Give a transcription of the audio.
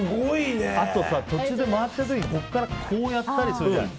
あとさ、途中で回ってる時にここからこうやったりするじゃん。